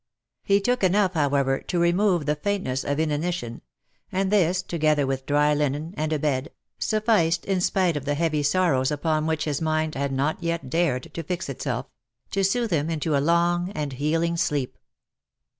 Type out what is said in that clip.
He took enough, however, to remove the faintness of inanition ; and this, together with dry linen, and a bed, sufficed, in spite of the heavy sorrows upon which his mind had not yet dared to fix itself, to sooth him into a long and healing sleep.